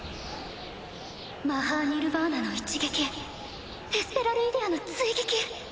マハーニルヴァーナの一撃エスペラルイデアの追撃。